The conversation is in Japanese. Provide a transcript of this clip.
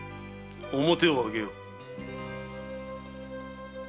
面を上げよ。